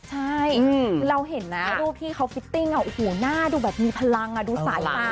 ใช่คือเราเห็นนะรูปที่เขาฟิตติ้งหน้าดูแบบมีพลังดูสายตา